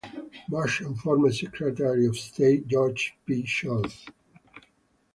Bush and former Secretary of State George P. Schultz.